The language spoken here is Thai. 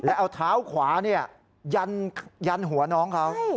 แล้วเอาเท้าขวายันหัวน้องเขา